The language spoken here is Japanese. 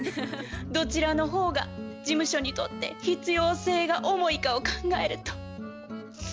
どちらの方が事務所にとって必要性が重いかを考えると納得でけんわ！